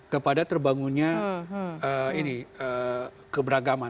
kepada terbangunnya ini keberagaman